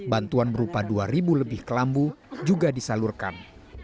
bantuan berupa dua lebih kelambu juga disalurkan